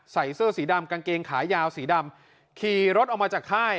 ใส่เสื้อสีดำกางเกงขายาวสีดำขี่รถออกมาจากค่าย